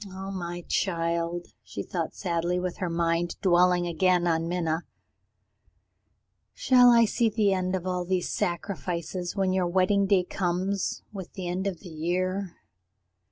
"Oh, my child," she thought sadly, with her mind dwelling again on Minna, "shall I see the end of all these sacrifices, when your wedding day comes with the end of the year?"